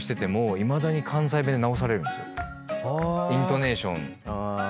イントネーション。